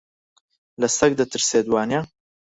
لە سەگ دەترسێت، وانییە؟